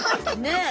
ねえ。